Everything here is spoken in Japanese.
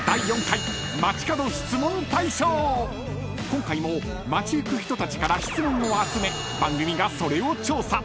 ［今回も街行く人たちから質問を集め番組がそれを調査］